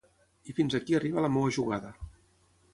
I fins aquí arriba la meva jugada.